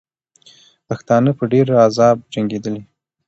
پښتانه په ډېر عذاب جنګېدلې.